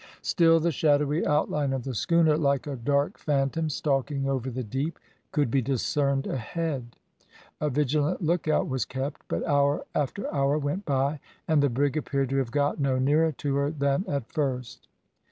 Still the shadowy outline of the schooner, like a dark phantom stalking over the deep, could be discerned ahead. A vigilant lookout was kept, but hour after hour went by and the brig appeared to have got no nearer to her than at first.